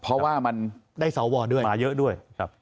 เพราะว่ามันมาเยอะด้วย